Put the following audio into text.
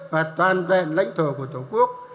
và toàn vẹn lãnh thổ của tổ quốc